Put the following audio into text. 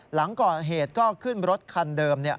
หลังก่อเหตุก็ขึ้นรถคันเดิม